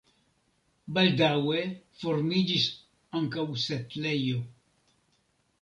Baldaŭe formiĝis ankaŭ setlejo.